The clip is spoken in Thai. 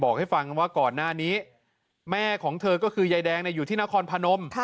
ให้ฟังว่าก่อนหน้านี้แม่ของเธอก็คือยายแดงอยู่ที่นครพนม